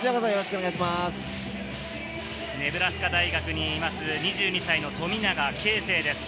ネブラスカ大学にいます、２２歳の富永啓生です。